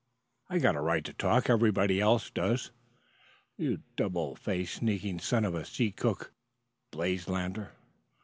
"I've got a right to talk; everybody else does." "You double faced, sneaking son of a sea cook!" blazed Lander.